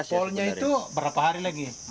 jadwalnya itu berapa hari lagi